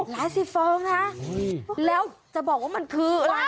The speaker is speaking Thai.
ล้านสิบโฟมละ่าแล้วจะบอกว่ามันคือ